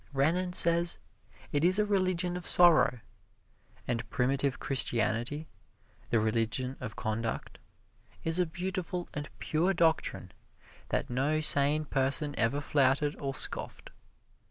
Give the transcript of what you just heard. Renan says it is a religion of sorrow. And primitive Christianity the religion of conduct is a beautiful and pure doctrine that no sane person ever flouted or scoffed.